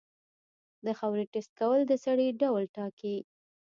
د خاورې ټیسټ کول د سرې ډول ټاکي.